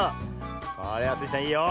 おおスイちゃんいいよ。